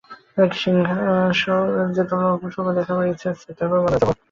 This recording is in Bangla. সিংহলে অল্পস্বল্প দেখবার ইচ্ছা আছে, তারপর মান্দ্রাজ যাব।